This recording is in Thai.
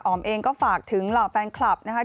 ออมเองก็ฝากถึงหล่อแฟนคลับนะครับ